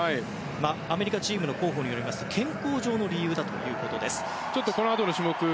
アメリカチームの広報によりますと健康上の理由だということです。